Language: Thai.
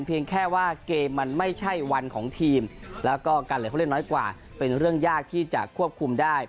แค่ว่าเกมมันไม่ใช่วันของทีมแล้วก็การเหลือผู้เล่นน้อยกว่าเป็นเรื่องยากที่จะควบคุมได้